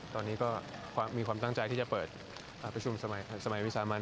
ตอนนี้ก็มีความตั้งใจที่จะเปิดประชุมสมัยวิสามัน